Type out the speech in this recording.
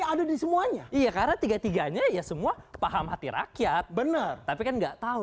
ada di semuanya iya karena tiga tiganya ya semua paham hati rakyat bener tapi kan enggak tahu